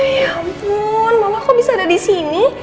ya ampun mama kok bisa ada disini